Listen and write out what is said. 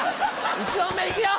１問目いくよ！